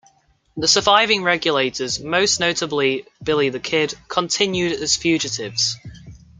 The surviving Regulators, most notably Billy the Kid, continued as fugitives.